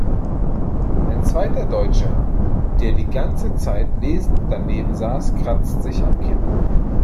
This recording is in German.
Ein zweiter Deutscher, der die ganze Zeit lesend daneben saß, kratzt sich am Kinn.